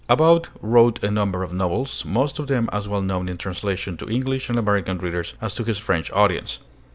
About wrote a number of novels, most of them as well known in translation to English and American readers as to his French audience.